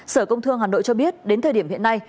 sở công thương hà nội cho biết đến thời điểm hiện nay